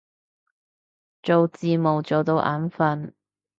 做字幕做到眼憤